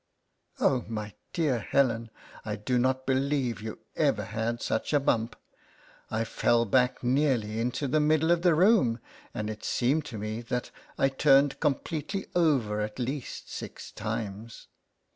Oh, my dear Helen, I do not believe you ever had such a bump : I fell back nearly into the 56 LETTERS FROM A CAT. middle of the room ; and it seemed to me that I turned completely over at least six times.